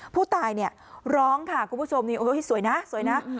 ผู้ตายเนี่ยร้องค่ะคุณผู้ชมนี่โอ้ยสวยนะสวยนะ